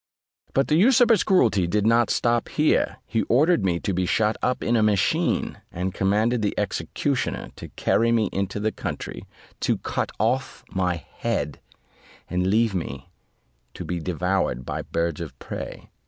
But the usurper's cruelty did not stop here; he ordered me to be shut up in a machine, and commanded the executioner to carry me into the country, to cut off my head, and leave me to be devoured by birds of prey.